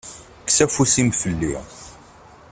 Kkes afus-im fell-i.